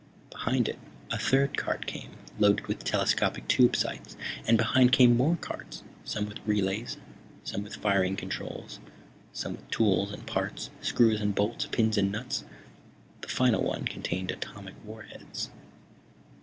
Behind it a third cart came, loaded with telescopic tube sights. And behind came more carts, some with relays, some with firing controls, some with tools and parts, screws and bolts, pins and nuts. The final one contained atomic warheads.